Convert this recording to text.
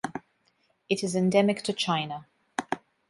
It is endemic to China.